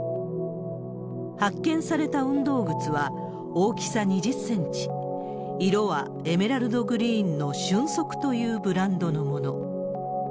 発見された運動靴は、大きさ２０センチ、色はエメラルドグリーンの瞬足というブランドのもの。